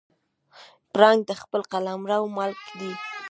پړانګ د خپل قلمرو مالک دی.